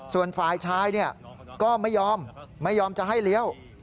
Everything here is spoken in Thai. ส่วนฝ่ายชายก็ไม่ยอมไม่ยอมจะให้เลี้ยว